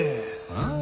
ああ。